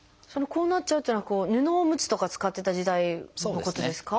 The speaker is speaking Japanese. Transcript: こうなっちゃうっていうのは布おむつとか使ってた時代のことですか？